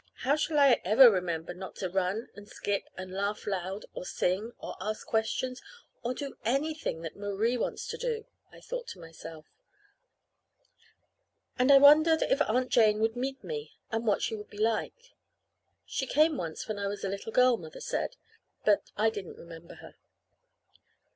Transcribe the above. How shall I ever remember not to run and skip and laugh loud or sing, or ask questions, or do anything that Marie wants to do?" I thought to myself. And I wondered if Aunt Jane would meet me, and what she would be like. She came once when I was a little girl, Mother said; but I didn't remember her.